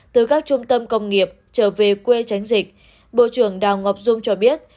từ các trung tâm công nghiệp trở về quê tránh dịch bộ trưởng đảng ngọc xuân cho biết